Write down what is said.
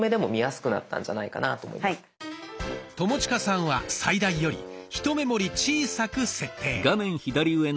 友近さんは最大よりひと目盛り小さく設定。